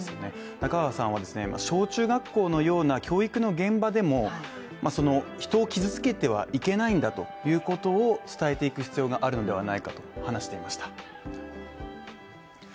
中川さんは小中学校のような教育の現場でも人を傷つけてはいけないんだということを伝えていく必要があるのではないかと話していました。